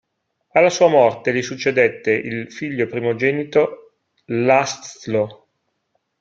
Alla sua morte, gli succedette il figlio primogenito László